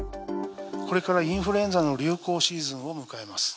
これからインフルエンザの流行シーズンを迎えます。